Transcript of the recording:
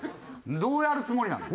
どうやるつもりなの？